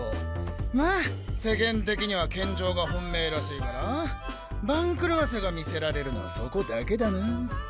まあ世間的には健丈が本命らしいから番狂わせが見せられるのはそこだけだな。